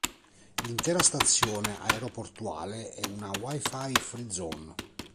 L'intera stazione aeroportuale è una Wi-Fi Free Zone.